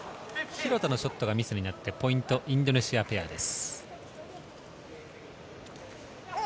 廣田のショットがミスになって、ポイントはインドネシアペアです。